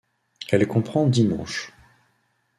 Elle comprend dix manches.